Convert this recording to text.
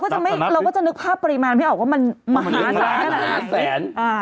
แต่เราก็จะนึกท่าปริมาณว่ามันมหาสร้างเท่านั้น